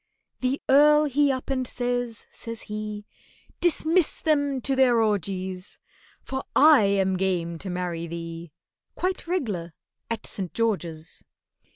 The Earl he up and says, says he, "Dismiss them to their orgies, For I am game to marry thee Quite reg'lar at St. George's."